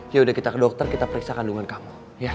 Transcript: yaudah kita ke dokter kita periksa kandungan kamu